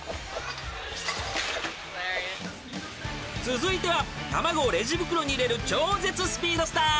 ［続いては卵をレジ袋に入れる超絶スピードスター］